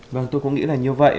vâng tôi cũng nghĩ là như vậy